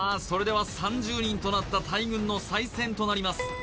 それでは３０人となった大群の再戦となります